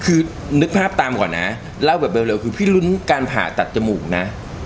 คือนึกภาพตามก่อนนะเล่าแบบเร็วคือพี่ลุ้นการผ่าตัดจมูกนะ